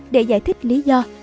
để giải thích lý do